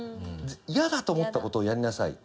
嫌だと思った事をやりなさい。